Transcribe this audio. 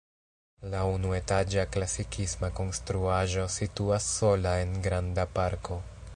La unuetaĝa klasikisma konstruaĵo situas sola en granda parko.